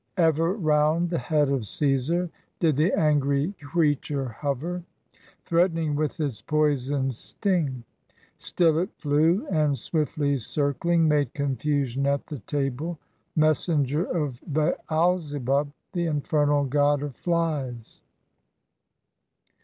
Ever round the head of Caesar Did the angry creature hover, Threatening with its poisoned sting: Still it flew, and swiftly circling Made confusion at the table, Messenger of Baalzebub, The infernal god of flies.